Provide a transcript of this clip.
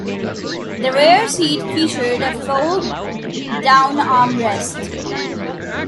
The rear seat featured a fold down armrest.